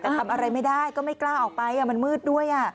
แต่ทำอะไรไม่ได้ก็ไม่กล้าออกไปมันมืดด้วย